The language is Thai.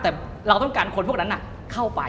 แต่เราต้องการคนพวกนั้นเข้าไป